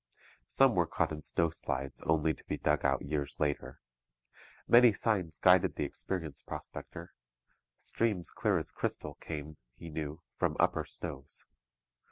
Some were caught in snowslides, only to be dug out years later. Many signs guided the experienced prospector. Streams clear as crystal came, he knew, from upper snows.